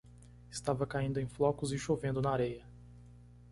Estava caindo em flocos e chovendo na areia.